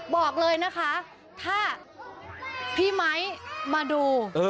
บอกเลยนะคะถ้าพี่ไม้มาดู